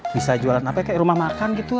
bisa jualan apa kayak rumah makan gitu